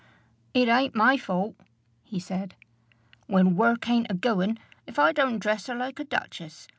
"It ain't my fault," he said, "when work ain't a goin,' if I don't dress her like a duchess.